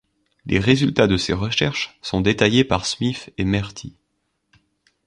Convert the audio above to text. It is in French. Les résultats de ces recherches sont détaillés par Smith et Mertie.